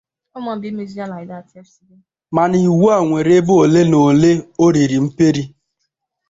mana iwu a nwere ebe ole n’ole o riri mperi